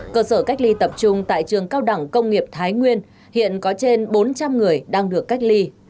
cơ sở cách ly tập trung tại trường cao đẳng công nghiệp thái nguyên hiện có trên bốn trăm linh người đang được cách ly